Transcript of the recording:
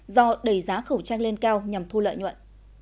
do đẩy giá khẩu trang lên cao nhằm thu lợi nhuận